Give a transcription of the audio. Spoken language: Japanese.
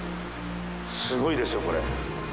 すごいですよこれ。